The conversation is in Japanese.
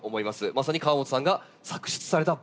まさに河本さんが作出されたバラ。